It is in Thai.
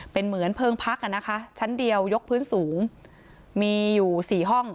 เป็นเหมือนเพลิงพักอ่ะนะคะชั้นเดียวยกพื้นสูงมีอยู่สี่ห้อง